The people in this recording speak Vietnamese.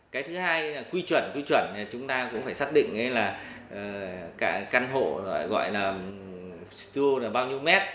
cái thứ hai là quy chuẩn chúng ta cũng phải xác định căn hộ gọi là stu là bao nhiêu mét